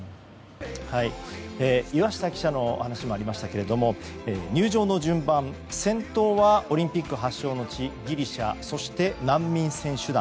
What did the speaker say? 岩下記者の話にもありましたけど入場の順番先頭はオリンピック発祥の地ギリシャそして、難民選手団。